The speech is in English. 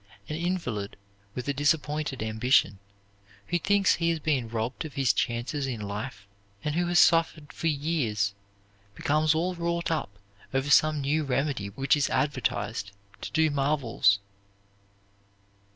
An invalid with a disappointed ambition, who thinks he has been robbed of his chances in life and who has suffered for years, becomes all wrought up over some new remedy which is advertised to do marvels.